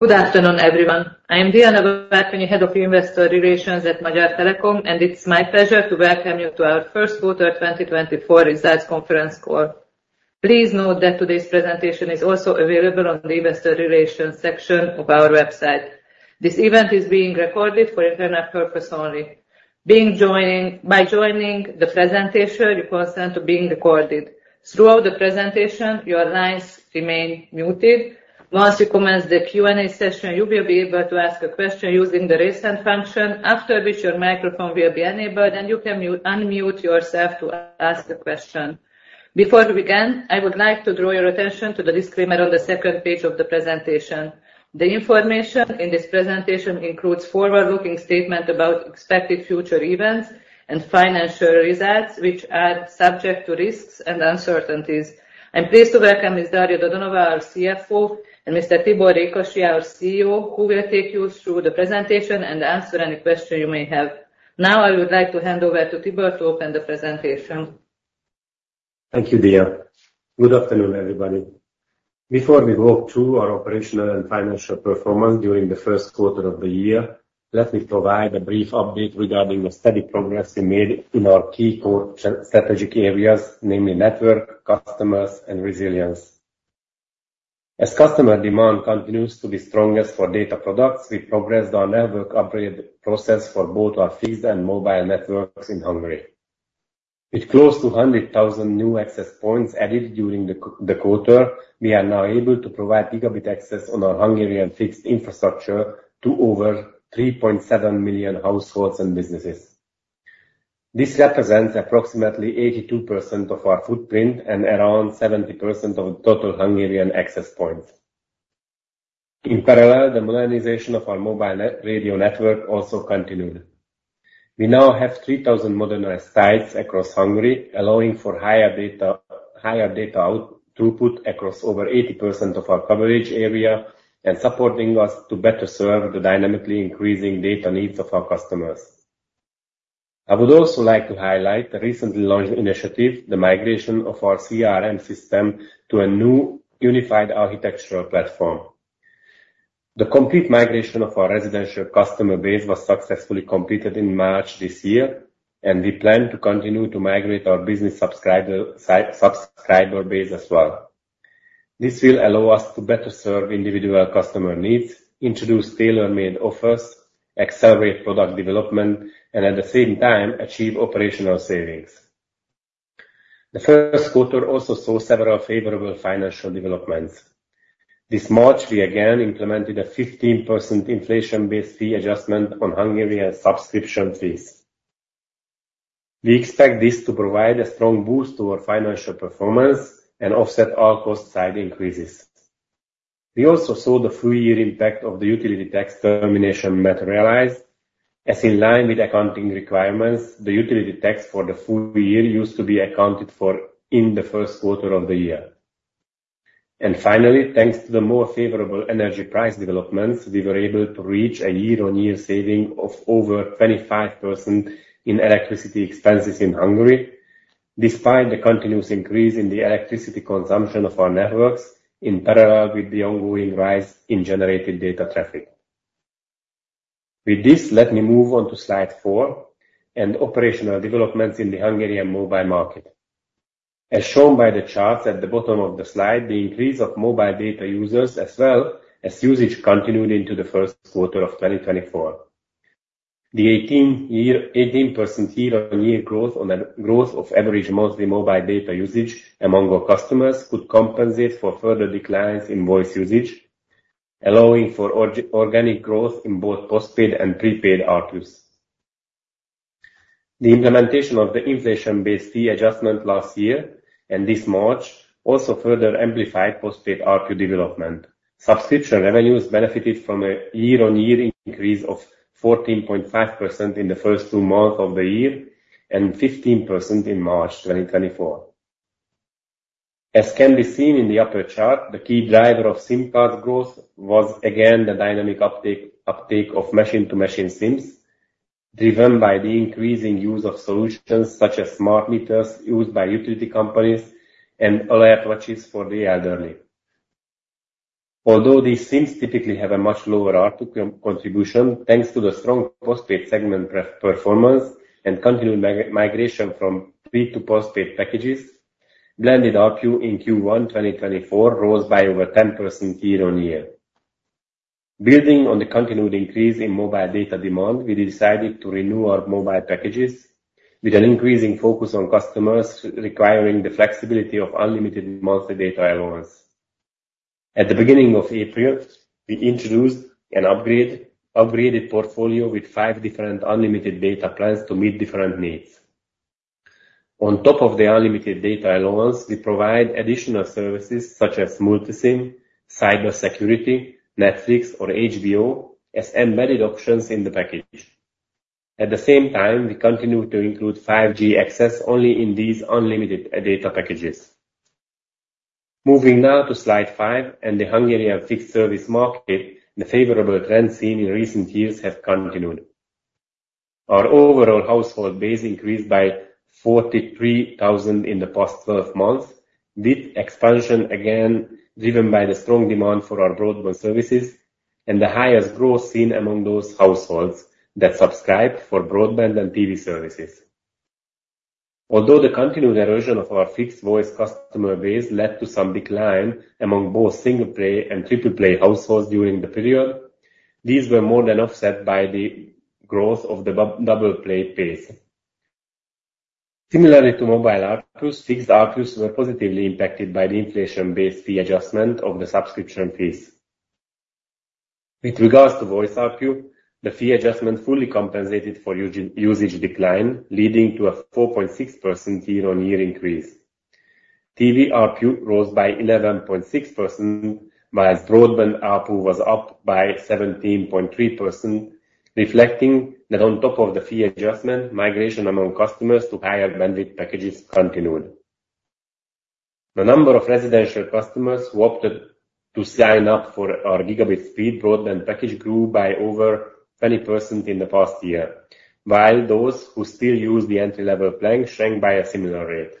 Good afternoon, everyone. I am Diana Várkonyi, Head of Investor Relations at Magyar Telekom, and it's my pleasure to welcome you to our first quarter 2024 results conference call. Please note that today's presentation is also available on the Investor Relations section of our website. This event is being recorded for internal purpose only. By joining the presentation, you consent to being recorded. Throughout the presentation, your lines remain muted. Once we commence the Q&A session, you will be able to ask a question using the Raise Hand function, after which your microphone will be enabled, and you can mute, unmute yourself to ask the question. Before we begin, I would like to draw your attention to the disclaimer on the second page of the presentation. The information in this presentation includes forward-looking statement about expected future events and financial results, which are subject to risks and uncertainties. I'm pleased to welcome Ms. Daria Dodonova, our CFO, and Mr. Tibor Rékasi, our CEO, who will take you through the presentation and answer any question you may have. Now, I would like to hand over to Tibor to open the presentation. Thank you, Dia. Good afternoon, everybody. Before we walk through our operational and financial performance during the first quarter of the year, let me provide a brief update regarding the steady progress we made in our key core strategic areas, namely network, customers, and resilience. As customer demand continues to be strongest for data products, we progressed our network upgrade process for both our fixed and mobile networks in Hungary. With close to 100,000 new access points added during the quarter, we are now able to provide gigabit access on our Hungarian fixed infrastructure to over 3.7 million households and businesses. This represents approximately 82% of our footprint and around 70% of total Hungarian access points. In parallel, the modernization of our mobile radio network also continued. We now have 3,000 modernized sites across Hungary, allowing for higher data, higher data throughput across over 80% of our coverage area and supporting us to better serve the dynamically increasing data needs of our customers. I would also like to highlight the recently launched initiative, the migration of our CRM system to a new unified architectural platform. The complete migration of our residential customer base was successfully completed in March this year, and we plan to continue to migrate our business subscriber base as well. This will allow us to better serve individual customer needs, introduce tailor-made offers, accelerate product development, and at the same time, achieve operational savings. The first quarter also saw several favorable financial developments. This March, we again implemented a 15% inflation-based fee adjustment on Hungarian subscription fees. We expect this to provide a strong boost to our financial performance and offset all cost-side increases. We also saw the full year impact of the utility tax termination materialized, as in line with accounting requirements, the utility tax for the full year used to be accounted for in the first quarter of the year. And finally, thanks to the more favorable energy price developments, we were able to reach a year-on-year saving of over 25% in electricity expenses in Hungary, despite the continuous increase in the electricity consumption of our networks, in parallel with the ongoing rise in generated data traffic. With this, let me move on to slide 4 and operational developments in the Hungarian mobile market. As shown by the charts at the bottom of the slide, the increase of mobile data users as well as usage continued into the first quarter of 2024. The 18% year-on-year growth in the growth of average monthly mobile data usage among our customers could compensate for further declines in voice usage, allowing for organic growth in both postpaid and prepaid ARPUs. The implementation of the inflation-based fee adjustment last year and this March also further amplified postpaid ARPU development. Subscription revenues benefited from a year-on-year increase of 14.5% in the first two months of the year, and 15% in March 2024. As can be seen in the upper chart, the key driver of SIM card growth was again the dynamic uptake of machine-to-machine SIMs, driven by the increasing use of solutions such as smart meters used by utility companies and alert watches for the elderly. Although these SIMs typically have a much lower ARPU contribution, thanks to the strong postpaid segment performance and continued migration from pre to postpaid packages, blended ARPU in Q1 2024 rose by over 10% year-on-year. Building on the continued increase in mobile data demand, we decided to renew our mobile packages with an increasing focus on customers requiring the flexibility of unlimited monthly data allowance. At the beginning of April, we introduced an upgraded portfolio with five different unlimited data plans to meet different needs. On top of the unlimited data allowance, we provide additional services such as multi-SIM, cybersecurity, Netflix or HBO, as embedded options in the package. At the same time, we continue to include 5G access only in these unlimited data packages. Moving now to slide 5 and the Hungarian fixed service market, the favorable trends seen in recent years have continued. Our overall household base increased by 43,000 in the past 12 months, with expansion again driven by the strong demand for our broadband services and the highest growth seen among those households that subscribed for broadband and TV services. Although the continued erosion of our fixed voice customer base led to some decline among both single-play and triple-play households during the period, these were more than offset by the growth of the double-play base. Similarly to mobile ARPU, fixed ARPU were positively impacted by the inflation-based fee adjustment of the subscription fees. With regards to voice ARPU, the fee adjustment fully compensated for usage decline, leading to a 4.6% year-on-year increase. TV ARPU rose by 11.6%, while broadband ARPU was up by 17.3%, reflecting that on top of the fee adjustment, migration among customers to higher bandwidth packages continued. The number of residential customers who opted to sign up for our gigabit speed broadband package grew by over 20% in the past year, while those who still use the entry-level plan shrank by a similar rate.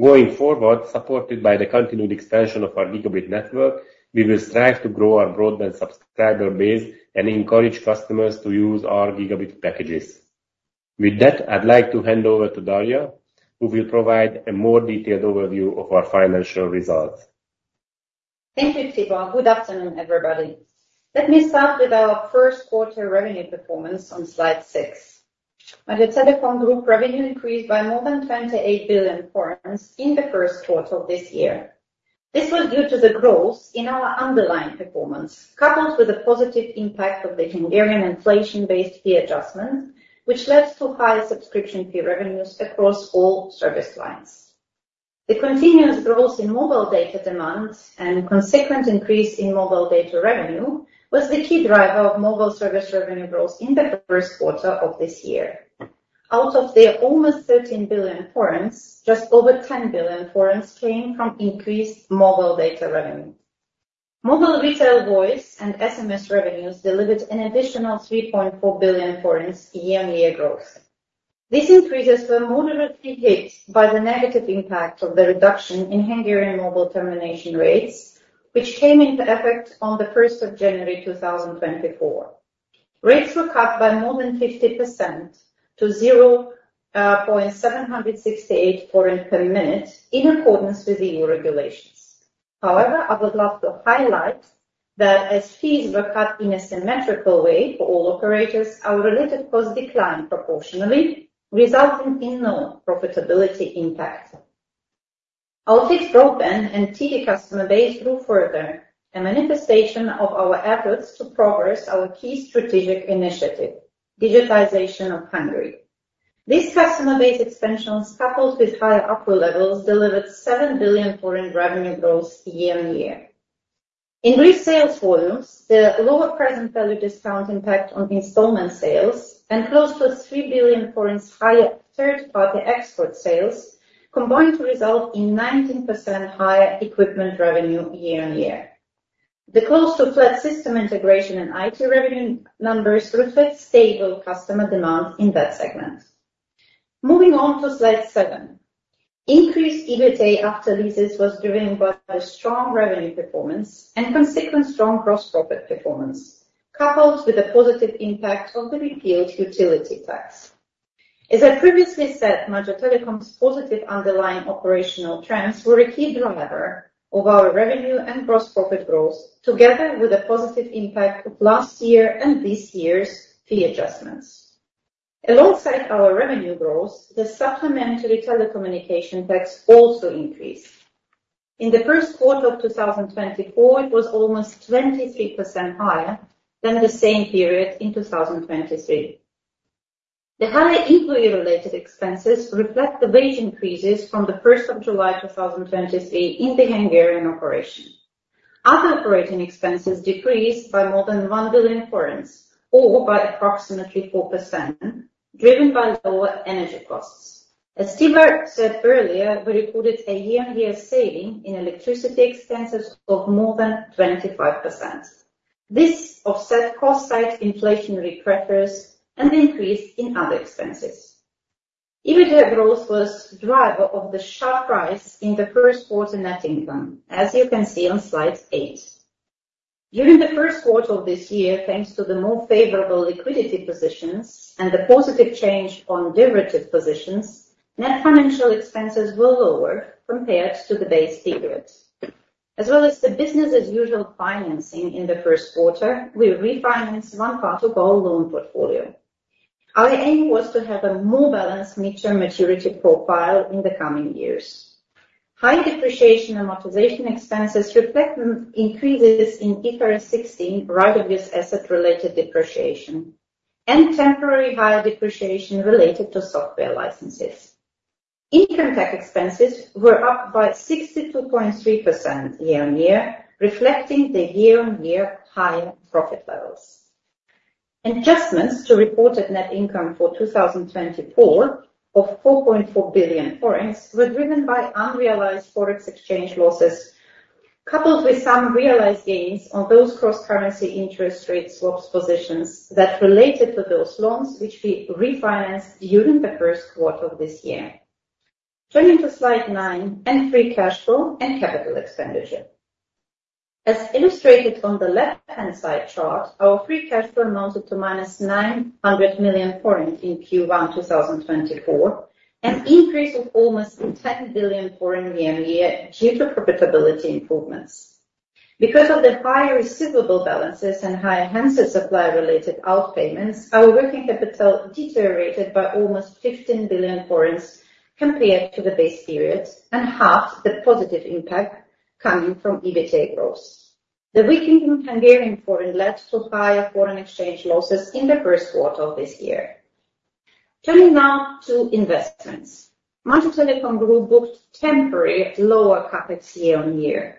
Going forward, supported by the continued expansion of our gigabit network, we will strive to grow our broadband subscriber base and encourage customers to use our gigabit packages. With that, I'd like to hand over to Daria, who will provide a more detailed overview of our financial results. Thank you, Tibor. Good afternoon, everybody. Let me start with our first quarter revenue performance on slide six. Magyar Telekom Group revenue increased by more than 28 billion in the first quarter of this year. This was due to the growth in our underlying performance, coupled with a positive impact of the Hungarian inflation-based fee adjustment, which led to higher subscription fee revenues across all service lines. The continuous growth in mobile data demand and consequent increase in mobile data revenue was the key driver of mobile service revenue growth in the first quarter of this year. Out of the almost 13 billion forints, just over 10 billion forints came from increased mobile data revenue. Mobile retail voice and SMS revenues delivered an additional 3.4 billion year-on-year growth. These increases were moderately hit by the negative impact of the reduction in Hungarian mobile termination rates, which came into effect on January 1, 2024. Rates were cut by more than 50% to 0.768 HUF per minute, in accordance with EU regulations. However, I would love to highlight that as fees were cut in a symmetrical way for all operators, our related costs declined proportionally, resulting in no profitability impact. Our fixed broadband and TV customer base grew further, a manifestation of our efforts to progress our key strategic initiative, digitization of Hungary. This customer base expansions, coupled with higher ARPU levels, delivered 7 billion revenue growth year on year. Increased sales volumes, the lower present value discount impact on installment sales, and close to 3 billion higher third-party export sales combined to result in 19% higher equipment revenue year-on-year. The close to flat system integration and IT revenue numbers reflect stable customer demand in that segment. Moving on to slide 7. Increased EBITDA after leases was driven by the strong revenue performance and consequent strong gross profit performance, coupled with a positive impact of the repealed utility tax. As I previously said, Magyar Telekom's positive underlying operational trends were a key driver of our revenue and gross profit growth, together with a positive impact of last year and this year's fee adjustments. Alongside our revenue growth, the supplementary telecommunication tax also increased. In the first quarter of 2024, it was almost 23% higher than the same period in 2023. The higher employee-related expenses reflect the wage increases from July 1, 2023, in the Hungarian operation. Other operating expenses decreased by more than 1 billion forints, or by approximately 4%, driven by lower energy costs. As Tibor said earlier, we recorded a year-on-year saving in electricity expenses of more than 25%. This offset cost side inflationary pressures and increased in other expenses. EBITDA growth was driver of the sharp rise in the first quarter net income, as you can see on slide 8. During the first quarter of this year, thanks to the more favorable liquidity positions and the positive change on derivative positions, net financial expenses were lower compared to the base period. As well as the business-as-usual financing in the first quarter, we refinanced one part of our loan portfolio. Our aim was to have a more balanced mixed maturity profile in the coming years. High depreciation and amortization expenses reflect increases in IFRS 16, right-of-use asset-related depreciation, and temporary higher depreciation related to software licenses. Income tax expenses were up by 62.3% year-on-year, reflecting the year-on-year higher profit levels. Adjustments to reported net income for 2024 of 4.4 billion were driven by unrealized Forex exchange losses, coupled with some realized gains on those cross-currency interest rate swaps positions that related to those loans, which we refinanced during the first quarter of this year. Turning to slide nine, and free cash flow and capital expenditure. As illustrated on the left-hand side chart, our free cash flow amounted to -900 million in Q1 2024, an increase of almost 10 billion year-on-year due to profitability improvements. Because of the higher receivable balances and higher handset supply related outpayments, our working capital deteriorated by almost 15 billion forints compared to the base periods, and halved the positive impact coming from EBITDA growth. The weakening Hungarian forint led to higher foreign exchange losses in the first quarter of this year. Turning now to investments. Magyar Telekom Group booked temporary lower CapEx year-on-year.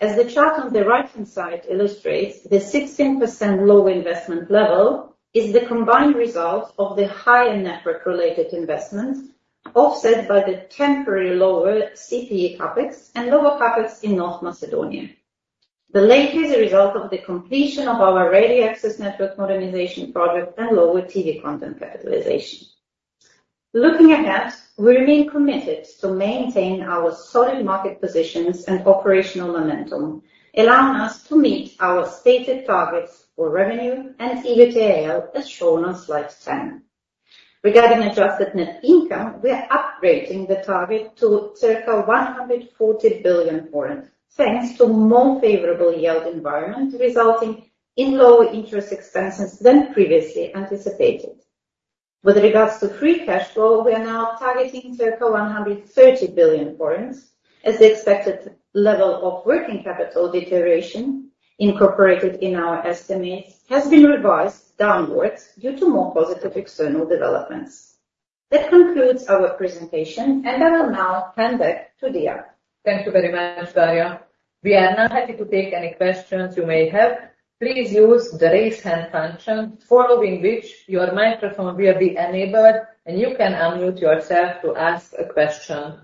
As the chart on the right-hand side illustrates, the 16% low investment level is the combined result of the higher network-related investments, offset by the temporary lower CPE CapEx and lower CapEx in North Macedonia. The decline is a result of the completion of our radio access network modernization project and lower TV content capitalization. Looking ahead, we remain committed to maintain our solid market positions and operational momentum, allowing us to meet our stated targets for revenue and EBITDA as shown on slide 10. Regarding adjusted net income, we are upgrading the target to circa 140 billion, thanks to more favorable yield environment, resulting in lower interest expenses than previously anticipated. With regards to free cash flow, we are now targeting circa 130 billion forints, as the expected level of working capital deterioration incorporated in our estimates has been revised downwards due to more positive external developments. That concludes our presentation, and I will now hand back to Dia. Thank you very much, Daria. We are now happy to take any questions you may have. Please use the Raise Hand function, following which your microphone will be enabled, and you can unmute yourself to ask a question.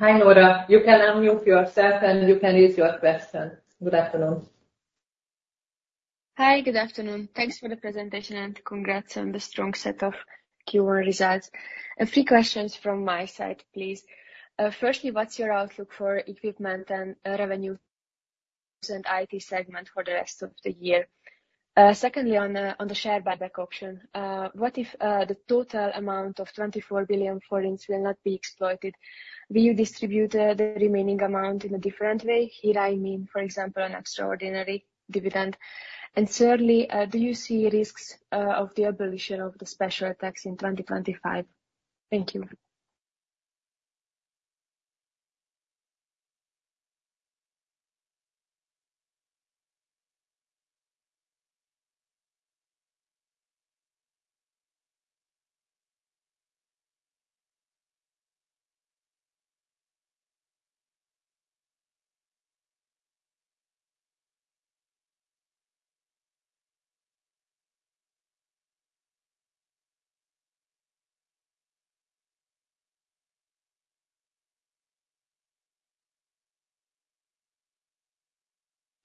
Hi, Nóra, you can unmute yourself, and you can raise your question. Good afternoon. Hi, good afternoon. Thanks for the presentation, and congrats on the strong set of Q1 results. Three questions from my side, please. Firstly, what's your outlook for equipment and revenue and IT segment for the rest of the year? Secondly, on the share buyback option, what if the total amount of 24 billion forints will not be exploited? Will you distribute the remaining amount in a different way? Here, I mean, for example, an extraordinary dividend. And thirdly, do you see risks of the abolition of the special tax in 2025? Thank you.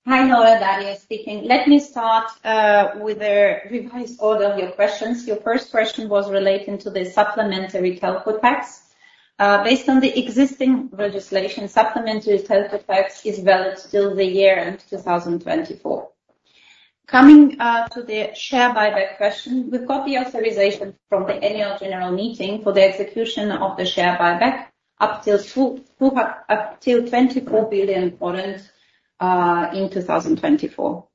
Hi, Nóra, Daria speaking. Let me start with a revised all of your questions. Your first question was relating to the supplementary telco tax. Based on the existing legislation, supplementary telco tax is valid till the year-end of 2024. Coming to the share buyback question, we've got the authorization from the annual general meeting for the execution of the share buyback up till 24 billion HUF in 2024.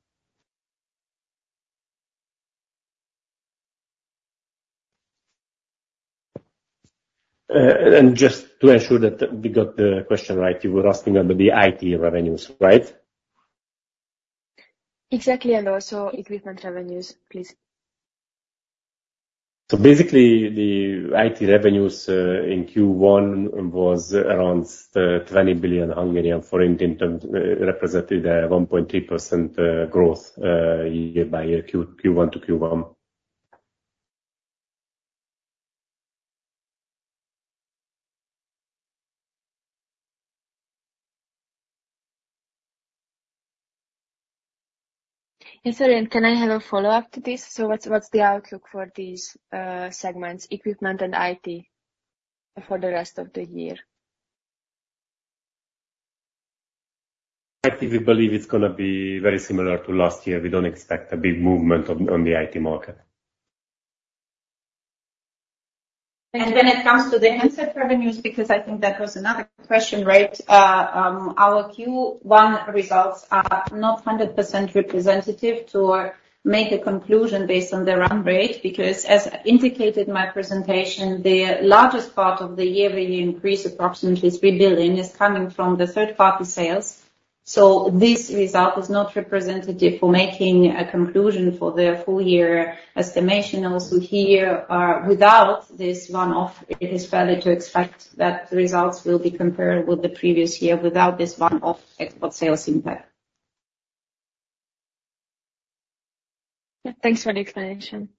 Just to ensure that we got the question right, you were asking about the IT revenues, right? Exactly, and also equipment revenues, please. So basically, the IT revenues in Q1 was around 20 billion, in turn, represented a 1.3% growth year-over-year, Q1 to Q1. Yes, sorry, and can I have a follow-up to this? So what's, what's the outlook for these segments, equipment and IT, for the rest of the year? I think we believe it's gonna be very similar to last year. We don't expect a big movement on the IT market. And when it comes to the handset revenues, because I think that was another question, right? Our Q1 results are not 100% representative to make a conclusion based on the run rate, because as indicated in my presentation, the largest part of the year-over-year increase, approximately 3 billion, is coming from the third-party sales... So this result is not representative for making a conclusion for the full year estimation. Also, here, without this one-off, it is fair to expect that the results will be comparable with the previous year without this one-off export sales impact. Thanks for the explanation.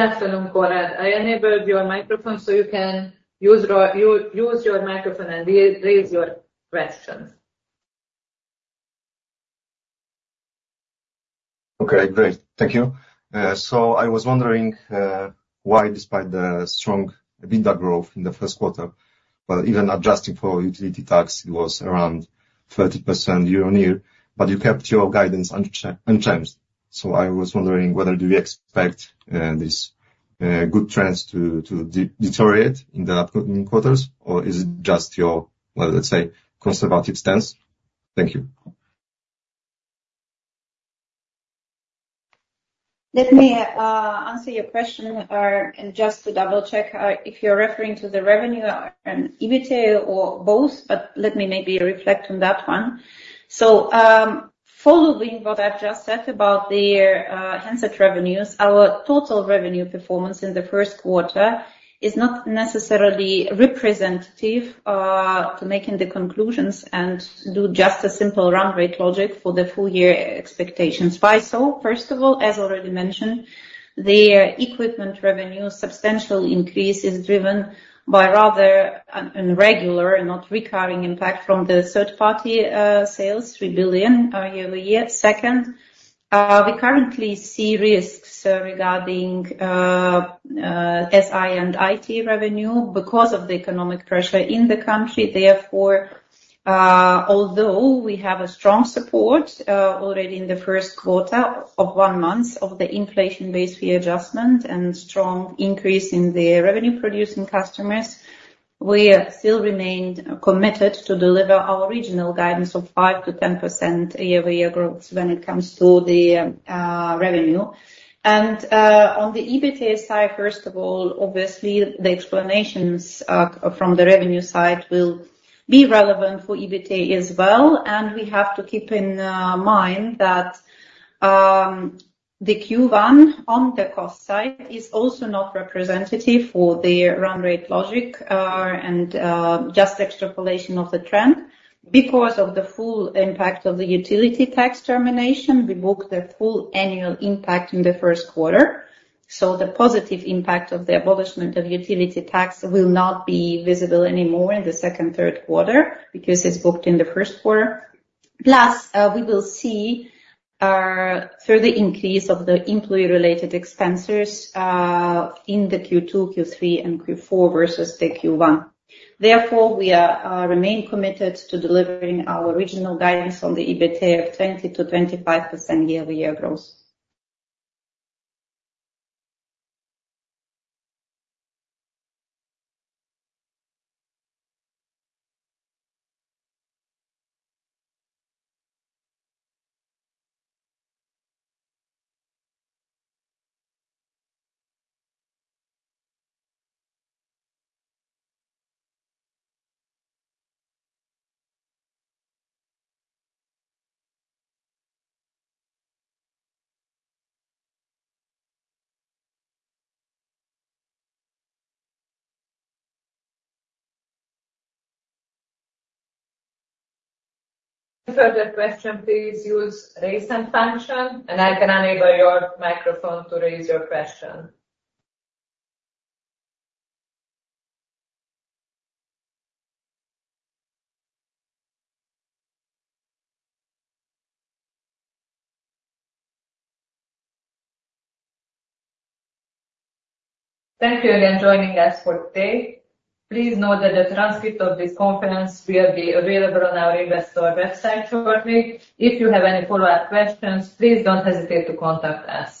Afternoon, Konrad. I enabled your microphone, so you can use your microphone and re-raise your question. Okay, great. Thank you. So I was wondering why despite the strong EBITDA growth in the first quarter, but even adjusting for utility tax, it was around 30% year-on-year, but you kept your guidance unchanged. So I was wondering whether do you expect this good trends to deteriorate in the upcoming quarters, or is it just your, well, let's say, conservative stance? Thank you. Let me answer your question, and just to double-check, if you're referring to the revenue and EBITDA or both, but let me maybe reflect on that one. Following what I've just said about the handset revenues, our total revenue performance in the first quarter is not necessarily representative to making the conclusions and do just a simple run rate logic for the full year expectations. Why so? First of all, as already mentioned, the equipment revenue substantial increase is driven by rather an irregular and not recurring impact from the third-party sales, 3 billion year-over-year. Second, we currently see risks regarding SI and IT revenue because of the economic pressure in the country. Therefore, although we have a strong support, already in the first quarter of 1 month of the inflation-based fee adjustment and strong increase in the revenue-producing customers, we still remain committed to deliver our original guidance of 5%-10% year-over-year growth when it comes to the revenue. On the EBITDA side, first of all, obviously, the explanations from the revenue side will be relevant for EBITDA as well. We have to keep in mind that the Q1 on the cost side is also not representative for the run rate logic, and just extrapolation of the trend. Because of the full impact of the utility tax termination, we book the full annual impact in the first quarter, so the positive impact of the abolishment of utility tax will not be visible anymore in the second, third quarter, because it's booked in the first quarter. Plus, we will see further increase of the employee-related expenses in the Q2, Q3 and Q4 versus the Q1. Therefore, we are remain committed to delivering our original guidance on the EBITDA of 20%-25% year-over-year growth. Any further question, please use Raise Hand function, and I can enable your microphone to raise your question. Thank you again joining us for today. Please note that a transcript of this conference will be available on our investor website shortly. If you have any follow-up questions, please don't hesitate to contact us.